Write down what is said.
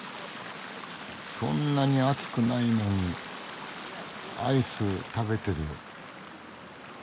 そんなに暑くないのにアイス食べてる。